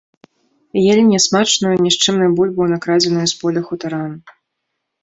Елі нясмачную нішчымную бульбу, накрадзеную з поля хутаран.